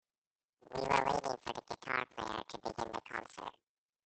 We were awaiting the guitar player to begin the concert.